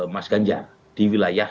mas ganjar di wilayah